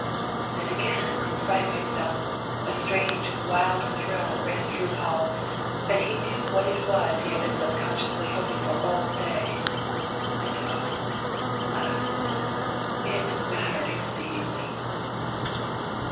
And again, in spite of himself, a strange wild thrill ran through Paul, and he knew it was what he had been subconsciously hoping for all day and oh, alas! it mattered exceedingly.